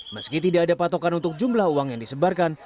meski tidak ada patokan untuk jumlah uang yang disebarkan